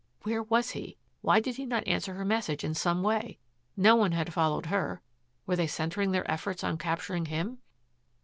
Where was he? Why did he not answer her message in some way? No one had followed her. Were they centering their efforts on capturing him?